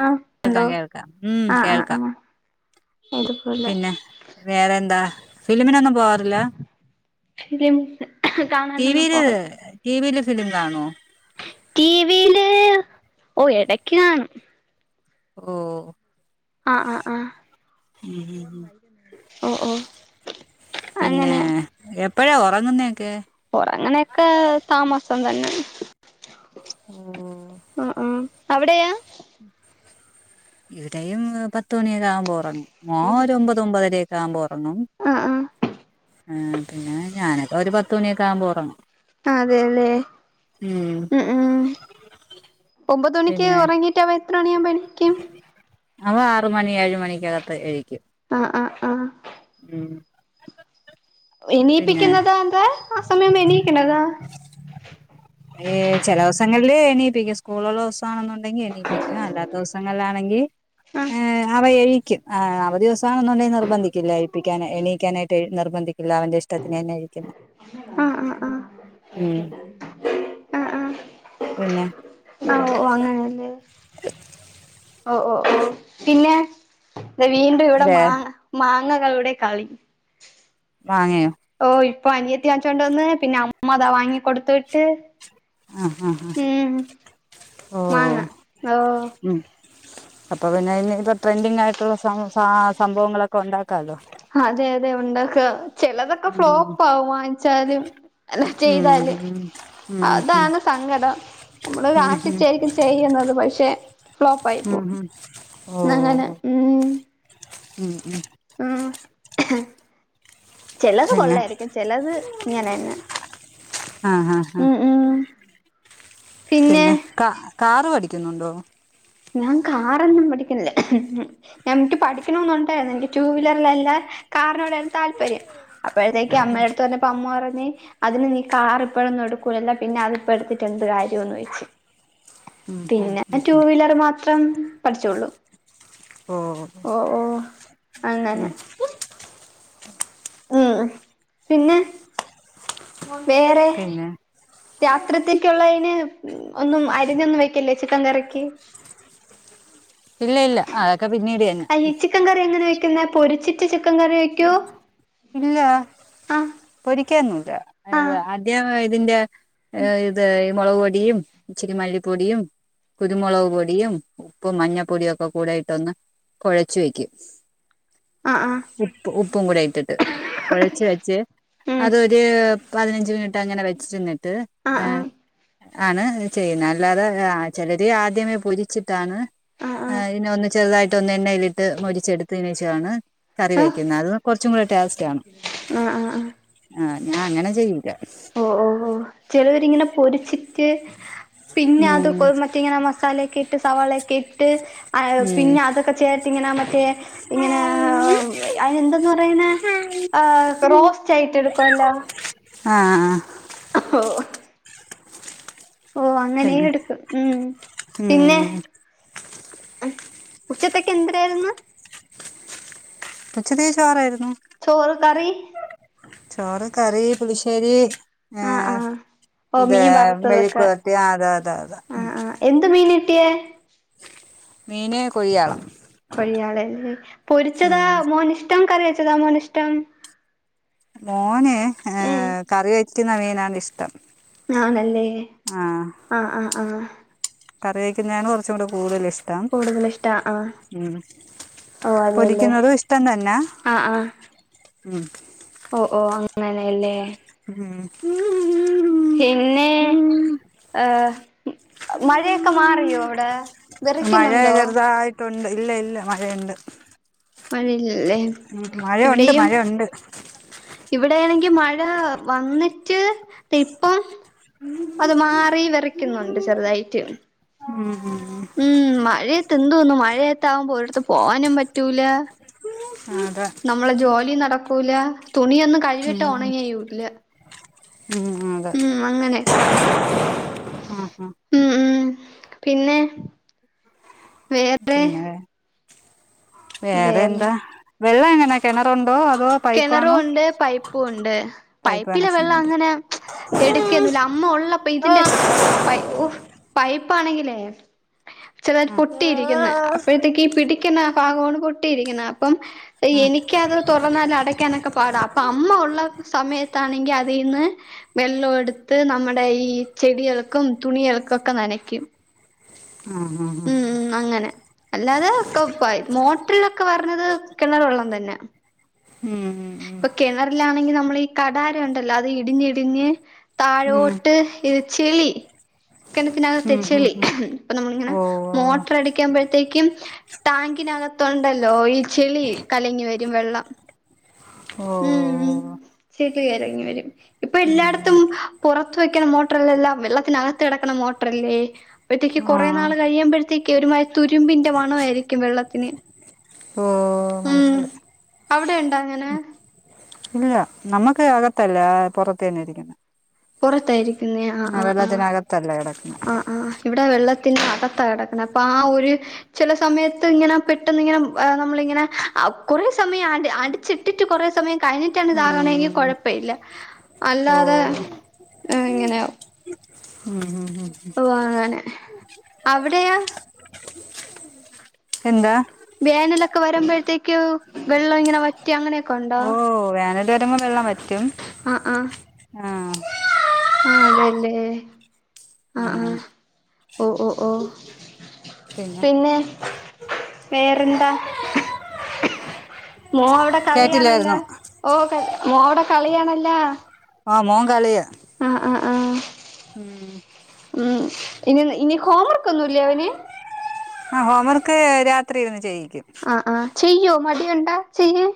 ആഹ് കേൾക്കാം, ഉണ്ടോ കേൾക്കാം ഹ്മ്മ് ആഹ് ആഹ് കേൾക്കാം ആഹ് ഇതുപോലെ പിന്നെ, വേറെ എന്താ ഫിലിമിനൊന്നും പോവാറില്ലാ [unintelligible] കാണാനൊന്നും ടിവിയില്, പോകല് ടിവിയില് ഫിലിം കാണോ ടിവിയില്, ഓ എടക്ക് കാണും ഓഹ് ആഹ് ആഹ് ആഹ് ഉം [inaudible] ഓഹ് ഓഹ് അതെങ്ങനെ എപ്പഴാ ഒറങ്ങുന്നേ? ഒറങ്ങ്ണേക്കെ താമസം തന്നെ. ഉം ആഹ് ആഹ് അവിടെയാ? ഇവിടെയും പത്തുമണിയൊര് ആവുമ്പൊ ഒറങ്ങും മോൻ ഒരു ഒമ്പത് ഒമ്പതരേക്ക ആവുമ്പോ ഒ റങ്ങും ആഹ് ആഹ് ഏഹ് പിന്നെ ഞാനക്കെ ഒരു പത്തുമണിയൊക്ക ആവുമ്പ ഒറങ്ങും. അതേലേ. ഉം ഒമ്പത് മണിക്ക് പിന്നെ ഒറങ്ങീട്ടവൻ എത്ര മണിയാവുമ്പ എണീക്കും? അവ ആറ് മണി ഏഴ് മണിക്കകത്ത് എഴീക്കും. അആ ആ ഉം പിന്നെ എണീപ്പിക്കുന്നതാ അതാ ആ സമയാവുമ്പ എണീക്കെണ്ടതാ ഏ ചെലോസങ്ങളില് എണീപ്പിക്കും സ്കൂളൊള്ള ദിവസാണെന്നുണ്ടെങ്കി എണീപ്പിക്കും അല്ലാത്ത ദിവസങ്ങളിലാ ണെങ്കി ആഹ് ആ അവ എഴീ ക്കും ആ അവധി ദിവസണെന്നുണ്ടെ നിർബന്ധിക്കില്ല എഴീപ്പിക്കാൻ എണീക്കാനായിട്ട് എഴ് നിർബന്ധിക്കില്ല അവന്റെ ഇഷ്ടത്തിന് തന്നെ എഴിക്കുന്നെ ആ ആ ആ ഉം പിന്നെ ഓ ഓ അങ്ങനെല്ലേ ഓ ഓ ഓ പിന്നെ വീണ്ടും ഇവിടെ വേ മാ മാ ങ്ങകളുടെ കളി മാങ്ങയോ പ്പൊ അനിയത്തി വാച്ചോണ്ട് വന്ന് പിന്ന അമ്മതാ വാങ്ങി കൊടുത്ത് വിട്ട് ആഹ ഹാ ഉം ഹാ ഓ മാങ്ങ ഓ ഉം അപ്പ പിന്നെ ഇനിയിപ്പ ട്രെൻഡിങ് ആയിട്ടുള്ള സം സാ സംഭവങ്ങളൊക്ക ഒണ്ടാക്കാല്ലോ അതെ അതെ ഉണ്ടാക്കാം ചെലതൊക്ക ഉം ഫ്ലോപ്പാവും വാങ്ങിച്ചാലും അല്ല ഉം ചെയ്താല് ഉം ഉം ഉം അതാണ് സങ്കടം നമ്മള് ഉം ആശിച്ചായിരിക്കും ചെയ്യുന്നത് പക്ഷെ ഉം ഫ്ലോപ്പയിപ്പോവും ഉം അങ്ങനെ ഉം മ്മ് മ്മ് ഉം ചെലത് പിന്നെ കൊള്ളാരിക്കും ചെലത് ഇങ്ങനെന്ന ആഹ ആഹ ആഹ് പിന്നെ കാ കാറ് പഠിക്കുന്നുണ്ടോ? ഞാൻ കാറന്നും പഠിക്കുന്നില്ല ഞാ എനിക്ക് പഠിക്കണോന്നൊണ്ടായിരുന്നു എനിക്ക് ടൂ വീലറിൽ എല്ലാ കാറിനോടാണ് താല്പര്യം അപ്പോഴത്തേക്ക് അമ്മേടടുത്ത് പറഞ്ഞപ്പം അമ്മ പറ നീ അതിന് നീ കാറിപ്പഴൊന്നും എടുക്കൂലല്ല പിന്ന അതിപ്പ എടുത്തിട്ട് എന്ത് കാര്യോന്നോയിച്ച് ഉം ഉം പിന്നെ ഉം ടൂ ഉം വീലറ് മാത്രം പഠിച്ചോള്ളൂ ഓ ഓ അങ്ങനെ മ്മ് ഉം പിന്നെ വേറെ പിന്നെ രാത്രിത്തേക്കുള്ളയിന് മ്മ് ഒന്നും അരിഞ്ഞൊന്നും വെക്കല്ലേ ചിക്കൻ കറിക്ക് ഇല്ല ഇല്ല അതൊക്കെ പിന്നീട് തന്നെ അയ്യേ ചിക്കൻ കറി എങ്ങനാ വെക്കുന്നെ പൊരിച്ചി ചിക്കൻ കറി വെയ്ക്കോ ഇല്ല പൊരിക്കേന്നുല്ല ആ ഏ അദ്യം ഇതിന്റെ ഏ ഇത് ഈ മൊളവ് പൊടിയും ഇച്ചിരി മല്ലിപ്പൊടിയും കുരുമൊളവ് പൊടിയും ഉപ്പും മഞ്ഞപ്പൊടിയും ഒക്ക കൂടയിട്ടൊന്ന് കൊഴച്ച് വെക്കും ആ ആ ഉപ്പ് ഉപ്പും കൂടെയിട്ടിട്ട് കൊഴച്ച് വെച്ച് ഉം അതൊര് പതിനഞ്ച് മിനിറ്റ് അങ്ങനെ വെച്ചിരുന്നിട്ട്- ആഹ് ആഹ് ആണ് ചെയ്യുന്നത് അല്ലാതെ ചിലര് ആദ്യമേ പൊരിച്ചിട്ട് ആണ്- ആഹ് ആഹ് അയിനെ ഒന്ന് ചെറുതായിട്ട് ഒന്ന് എണ്ണയിലിട്ട് മൊരിച്ചെടുത്തതിനനച്ചാണ് കറി വെക്കുന്നത് അത് കുറച്ചൂടെ ടേസ്റ്റ് ആണ് ആ ഉ ആഹ് ഞാൻ അങ്ങനെ ചെയ്യൂല ഓ ഓ ഓ ചിലവരിങ്ങനെ പൊരിച്ചിട്ട് പിന്നെ അത് ഉം കോഴിമുട്ട ഇങ്ങനെ മസാലൊക്കെ ഇട്ട് സവാളൊക്കെ ഇട്ട്- ആ ഉം പിന്നെ അതൊക്കെ ചേർത്ത് ഇങ്ങനെ മറ്റേ ഇങ്ങനെ അതിനെന്തെന്ന പറയുന്ന- ആ റോസ്റ്റ് ആയിട്ട എടുക്കുവല്ലോ ആഹ ആ ഓ ഓ അങ്ങനെയും പിന്നെ എടുക്കും ഉം പിന്നെ ഉം ഉച്ചത്തേക്കെ എന്തരായിരുന്നു ഉച്ചകത്തേക് ചോർ ആയിരുന്നു ചോറും കറി ചോറ് കറി പുളിശ്ശേരി ആഹ് ആഹ ആഹ് ഓ ഇത് മീൻ വറുത്തതൊക്കെ മെഴികെവരട്ടി അത അത അത ആഹ് ആഹ് [inaudible] മീന് കൊഴിചാള കൊഴിയാളല്ലേ പൊരിച്ചതാ മോനു ഇഷ്ടം കറി വച്ചതാ മോനു ഇഷ്ട്ടം മോനെ ഏ കറി വക്കുന്ന മീനാണ് ഇഷ്ടം ആണെല്ലേ ആഹ് ആഹ് ആഹ് ആഹ കറി വെക്കുന്നതാണ് കുറച്ചൂടെ കൂടുതൽ ഇഷ്ട്ടം കൂടുതൽ ഇഷ്ട ആഹ് ഓ അതെല്ലേ പൊരിക്കുന്നതു ഇഷ്ടം തന്ന ആഹ് ആഹ് ഉം ഓ ഓ അങ്ങനെല്ലേ ഉം മ്മ് പിന്നെ ഏഹ് മഴയൊക്കെ മാറിയോ അടെ മഴ ചെറുതായിട്ടൊണ്ട് ഇല്ല ഇല്ല മഴയുണ്ട് മഴയില്ലേ ഉം മഴയൊണ്ട് മഴയൊണ്ട് ഇവിടേണെങ്കി മഴ വന്നിട്ട് തിപ്പം അത് മാറി വെറക്കുന്നുണ്ട് ചെറുതായിട്ട് ഉം മഴയൊക്കെ എന്തോന്ന് മഴയത്താകുമ്പോ ഒരിടത്ത് പോവാനും പറ്റൂല ആ, അതെ നമ്മള് ഉം, അതെ ഉം അങ്ങനെയക്കെ ആ ആ ഉം ഉം പിന്നെ വേറെ പിന്നെ വേറെ എന്താ വെള്ള എങ്ങനാ കിണറോ കിണറുവൊണ്ട് പൈപ്പുവൊണ്ട് പൈപ്പ് പൈപ്പിലെ കണക്ഷൻ വെള്ളം ഉണ്ട് അങ്ങനെ എടുക്കെന്നുല്ല അമ്മ ഉള്ളപ്പോ ആ ഇതിന്റെ പൈ ഓ പൈപ്പാണെങ്കിലേ ചെതാട്ട് ആ, ആ, പൊട്ടിയിരിക്ക്ന്ന് അപ്പഴത്തേക്ക് ഈ പിടിക്ന്നാ ആ. ഭാഗണ് പൊട്ടിരിക്ന്ന പ്പം എനിക്കത് തോർ അടക്കാനക്ക പാട അപ്പ അമ്മ ഒള്ള സമയത്തണെങ്കി അതിന്ന് വെള്ളോടുത്ത് നമ്മ ടെ ഈ ചെടികൾക്കും തുണികൾക്കും ഒക്കെ നനക്കും ആഹ് ആഹ് അഹ് അല്ലാതെ മോട്ടറിലൊക്കെ വരണത് ഉം. പ്പൊ കെണറിലാണെങ്കി നമ്മൾ ഈ കടാരഒണ്ടല്ലോ അത് ഇടിഞ്ഞിടിഞ്ഞ് താഴോട്ട് ഉം, ഇ [unintelligible] ച്ചിളി കെണറ്റിനകത്തെ ഉം, ചെളി ഉം. പ്പൊ നമ്മളിങ്ങനെ ഓ മോട്ട്ര് അടിക്കമ്പഴത്തേക്കും ടാങ്കി തിനകത്തൊണ്ടല്ലോ ഈ ചെളി കലങ്ങി വരും വെള്ളം ഓ ഉം ഉം ചെളിറങ്ങി വരും ഇപ്പോ ഉം. എല്ലാട്ത്തും പുറ ത്വേക്കണ മോട്ർ അല്ലല്ലോ വെള്ളത്തിനകത്ത് കടക്ക്ണെ മോട് ഡ്രല്ലേ അപ്പഴ്ത്തേക്ക് ആ കൊറേ നാള് കയമ്പഴത്തേക്ക് ഒരുമാ തുരുമ്പിന്റെ മണരിക്കും വെള്ളത്തിന് ഓ ഉം മനസ്സിലായി അവിടെണ്ടാ അങ്ങനെ ഇല്ല നമ്മക്ക് അകത്തല്ല പൊറത്തന്നെ ഇരിക്ന്ന പൊറത്താരി ആ വെള്ളത്തിനകത്തല്ല കെടക് ആഹ് ആഹ് ഇവിടെ വെള്ളത്തിന്റെ അക ത്താകെടക്കണെ അപ്പൊ ആ ഒരു ചെല സമയത്തിങ്ങനെ പെട്ടെന്ന് ഇങ്ങനെ നമ്മളിങ്ങനെ അവ് കൊറേ സമയം ആണ്ട് അടിച്ചിട്ടിട്ട് കൊറെ സമയം കഴിഞ്ഞിട്ടാണ് ഇതാകണെങ്കി ഉം കൊഴപ്പം ഇല്ലാ ഓ അല്ലാതെ ഏഫ് ഇങ്ങനെയാവും ഉം ഉം ഉം ഓ അങ്ങനെ അവിടെയോ? എന്താ? വേനലൊക്കെ വരുമ്പഴത്തേക്കും വെള്ളം ഇങ്ങനെ വറ്റി അങ്ങനെയൊക്കെ ഒണ്ടോ? ഓ [unintelligible] വെള്ളം വറ്റ് ആഹ് ആഹ് ആഹ് അതേല്ലേ ആഹ് ആഹ് അങ്ങനെ ഓഹ് ഓഹ് ഓഹ് പിന്നെ, വേറെന്താ? മോ അവിടെ കേട്ടില്ലായിരുന്നു കളിയാണല്ലോ ഓഹ് ക മോ അവിടെ കളിയാണല്ലോ? ആഹ് മോൻ കളിയാ. ആഹ് ആഹ് ആഹ് ഉം ഉം ഇനി ഇനി ഹോം വർകൊന്നുമില്ലേ അവന് ആ ഹോംവർക്ക് രാത്രിയിരുന്ന് ചെയ്യും ആ ആ ചെയ്യോ മടിയുണ്ടോ ചെയ്യ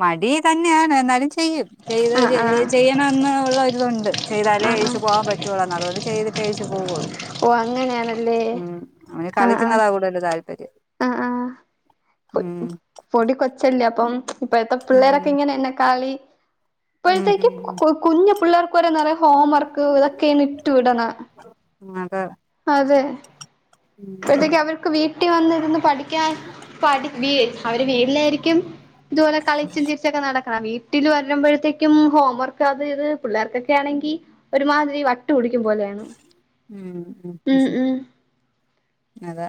മടി തന്നെയാണ്, എന്നാലും ചെയ്യും ചെയ്ത് ആഹ് ആഹ് ചെയ്യണം എന്നൊള്ള രിതുണ്ട് ചെയ്താലേ ആഹ് ഇരിച്ചച്ച് ആഹ് പോകാൻ പറ്റുള്ളൊന്ന് അതുകൊണ്ട് ചെയ്തിട്ട് തേച്ചു പോവൊള്ളൂ ഓ അങ്ങനെയാണ് ഉം അവന് കളിക്കുന്നതാ കൂടുതൽ താല്പര്യം ആഹ് ഉം പൊടി കൊച്ചല്ലേ അപ്പം ഇപ്പഴത്തെ ഉം പിള്ളേരൊക്കെ ഇങ്ങനെന്നെ കളി ഉം ഉം ഇപ്പോഴത്തേക്കും ഉം കു കുഞ്ഞു പിള്ളേർക്ക് വരെ നെറയെ ഹോം വർക്ക് ഇതൊക്കെ ഇട്ടു വിടണെ ആ അതെ അതെ ഉം അപ്പയത്തേക്ക് അവർക്ക് വീട്ടിൽ വന്നിരുന്ന് പഠിക്കാൻ പഠി അവര് വീട്ടിലായിരിക്കും ഇതുപോലെ കളിച്ചും ചീരിച്ചൊക്കെ നട ക്കാ വീട്ടിൽ വരുമ്പോഴത്തേക്കും ഹോം വർക്ക് അത് ഇത് പിള്ളേർക്കൊക്കെ ആണെങ്കി ഒരുമാതിരി വ ട്ട് പിടിക്കും പോലെയാണ് ഉം ഉം അതെ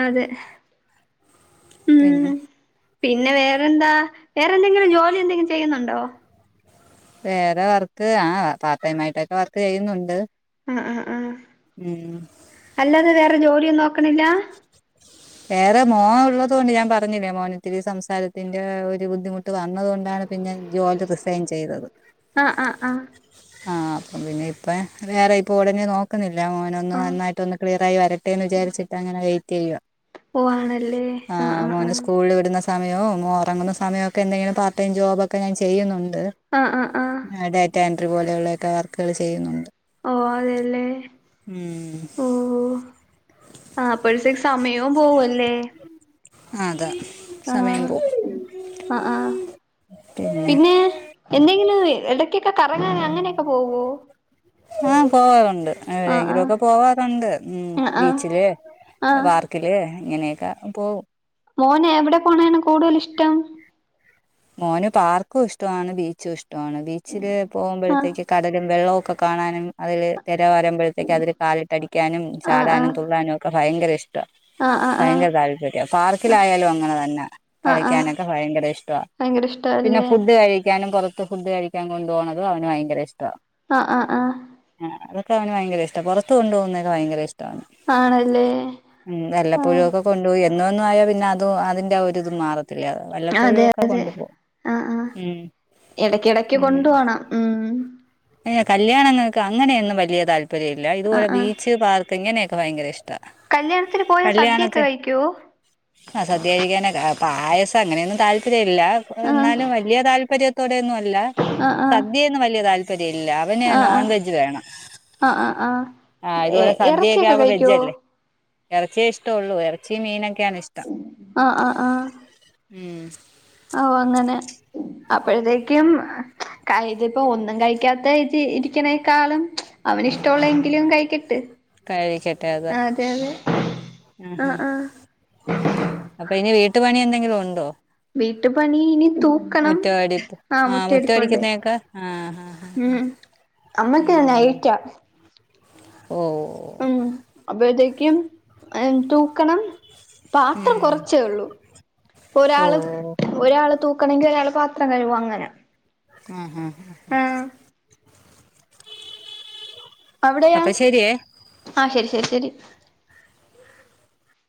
അതെ ഉം പിന്നെ പിന്നെ വേറെന്താ വേറെ എന്തെങ്കിലും ജോലി എന്തെങ്കിലും ചെയ്യുന്നുണ്ടോ വേറെ വർക്ക് ആ പാർട്ട് ടൈം ആയിട്ടൊക്കെ വർക്ക് ചെയ്യുന്നുണ്ട് ആ ആ ആ ഉം വേറെ ജോലിയൊന്നും നോക്കണില്ല വേറെ, മോന് ഉള്ളതോണ്ട് ഞാൻ പറഞ്ഞില്ലേ മോനിത്തിരി സംസാരത്തിന്റെ ഒരു ബുദ്ധിമുട്ട് വന്നതുകൊണ്ടാണ് പിന്നെ ഞാൻ ജോലി റിസൈൻ ചെയ്തത് ആഹ് ആഹ് ആഹ് ആ അപ്പം പിന്നെ ഇപ്പ വേറെ ഇപ്പൊ ഉടനെ നോക്കുന്നില്ല എല്ലാം ഒരെന്നു ആഹ് നന്നായിട്ട് ഒന്ന് ക്ലിയറായി വരട്ടെന്ന് വിചാരിച്ചിട്ട്ങ്ങനെ വെയിറ്റ് ചെയ്യുക ഓ ആണല്ലേ ആ ആഹ് ആഹ് മോന ആഹ് സ്കൂളിൽ വിടുന്ന സമയോ ഉറങ്ങുന്ന സമയൊക്കെ എന്തെങ്കിലും പാർട്ട്ടൈം ജോബൊക്കെ ഞാൻ ചെയ്യുന്നുണ്ട് ആഹ് ആഹ് ആഹ് ഡാറ്റ എൻട്രി പോലെയുള്ളൊക്കെ വർക്കുകൾ ചെയ്യുന്നുണ്ട് ഓ അതെല്ലേ ഉം ഓ ആ അപ്പോഴത്തേക്ക് സമയവും പോവല്ലേ അ അതെ ആ ആ ആ. പിന്നെ എന്തെങ്കിലും ഇടക്കൊക്കെ കറങ്ങാ അങ്ങനെയൊക്കെ പോവോ ആ. പോവാറുണ്ട് ആ ആ എവിടെങ്കിലും ഒക്കെ പോവാറുണ്ട് ആ ആ ഉംബീച്ചില് ആ പാർക്കില് ഇങ്ങനെയൊക്കെ പോവും മോനെ എവിടെ പോണാണ് കൂടുതല് ഇഷ്ടം മോന് പാർക്കും ഇഷ്ടമാണ് ബീച്ചും ഇഷ്ടമാണ് ബീച്ചില് ആ പോകുമ്പോഴത്തേക്ക് കടലും വെള്ളവും ഒക്കെ കാണാനും അതില് തിര വരുമ്പോഴത്തേക്ക് അതില് കാലിട്ട് അടിക്കാനും ആ ആ ചാടാനും തുള്ളാനും ഒക്കെ ഭയങ്കര ഇഷ്ടാ ആ ആ ഭയങ്കര ആ താല്പര്യ പാർക്കിലായയാലും അങ്ങനെ തന്നെ ആ ആ കളിക്കാനൊക്കെ ഭയങ്കര ഇഷ്ടമാണ് ഭയങ്കര പിന്നെ ഇഷ്ടല്ലേ ഫുഡ് കഴിക്കാനും പുറത്ത് ഫുഡ് കഴിക്കാൻ കൊണ്ട് പോണതും അവന് ഭയങ്കര ഇഷ് ആ ആ ആ അവ ഭയങ്കര ഇഷ്‌ട പുറത്ത കൊണ്ട് പോകുന്നത്ക്ക ഭയങ്കര ഇഷ് ആണല്ലേ ആ ട്ടാവല്ലപ്പോഴും ഒക്കെ കൊണ്ടുപോയി എന്നുമെന്നും ആയാ പിന്നെ അതും അതിൻന്റെ ആ ഒരിതും മാറത്തില്ല വല്ലപ്പോഴും അതെ ഒക്കെ കൊണ്ടുപോകും ആ ആ ഉം ഇടക്ക് ഇടക്ക് ഉം കൊണ്ട് പോണം ഉം ഏഹ് കല്യാണങ്ങക്ക് അങ്ങനെയൊന്നും വല്യ താല്പര്യയില്ല ആ ഇതുപോലെ ആ ബീച്ച്, പാർക്ക് ഇങ്ങനെയൊക്കെ ഭയങ്കര ഇഷ് കല്യാണത്തിന് പോയാ സദ്യക്കെ കഴിക്കോ? ആഹ് സദ്യ കഴിക്കാനാ ക പായസം അങ്ങനെയൊന്നും താല്പ ല്ല ആഹ് എന്നാലും വല്യ താല്പര്യത്തോടെ ഒന്നും അല്ല ആ ആ സദ്യയൊന്നും വല്യ താല്പ ഇല്ല അവന് ആ ആ നോൺ വെജ് വേണം. ആ ആ ആ ആഹ് ഇതുപോലെ സദ്യയൊക്കെ ഇറച്ചിയൊക്കെ ആവുമ്പോ കഴിക്കുവോ വെജ്ജല്ലേ എറച്ചിയെ ഇഷ്ട്ട ഒള്ളൂ എറച്ചിം മീനൊക്ക് ആഹ് ആഹ് ആഹ് ഉം ഓഹ് അങ്ങനെ അപ്പഴ്ത്തേക്കും ക ഇതിപ്പൊ ഒന്നും കഴിക്കാത്തജ് ഇരിക്കണേക്കാളും അവനിഷ്ട്ടവൊള്ള എങ്കിലും കഴിക്കട്ട്. കഴിക്കട്ടെ അത് അതെ അതെ ആഹ് ആഹ് അപ്പൊ ഇനി വീട്ടു പണി എന്തെങ്കിലും ഉണ്ടോ വീട്ടു പണി ഇനി തൂക്കണം മുറ്റവടിപ്പ് ആഹ് മുറ്റം അടിപ്പൊണ്ട് മുറ്റവടിക്കുന്നയൊക്കെ ആഹ് ആഹ് ഉം ആഹ് അമ്മക്ക് നയിറ്റാ ഓ ഉം അപ്പഴതേക്കും തൂക്കണം പാത്രം ഉം കൊറച്ചേ ഉള്ളൂ ഇപ്പൊ ഒരാള് ഓഹ് ഒരാള് തൂ ക്കണെങ്കിൽ ഒരാൾ പാത്രം കഴിവും അങ്ങന ആഹ് ഹാ അവിടെയാ അപ്പൊ ശരിയേ ആഹ് ശരി ശരി ശരി